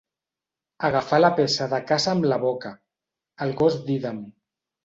Agafar la peça de caça amb la boca, el gos d'ídem.